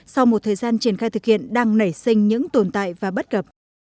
sau một thời gian triển khai thực hiện đang nảy sinh những tồn tại và bất cập